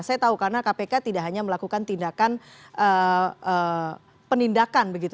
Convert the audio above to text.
saya tahu karena kpk tidak hanya melakukan tindakan penindakan begitu